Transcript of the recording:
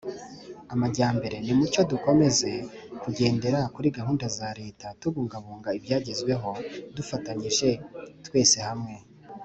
amajyambere nimucyo dukomeze kugendera kuri gahunda za leta tubungabunga ibyagezweho tufatanyije twese hamwe